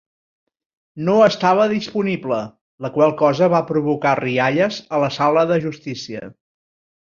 "No estava disponible", la qual cosa va provocar rialles a la sala de justícia.